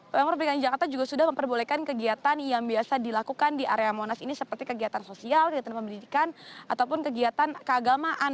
pemerintah jakarta juga sudah memperbolehkan kegiatan yang biasa dilakukan di area monas ini seperti kegiatan sosial kegiatan pendidikan ataupun kegiatan keagamaan